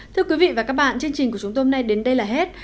thưa quý vị và các bạn chương trình của chúng tôi hôm nay đến đây là hết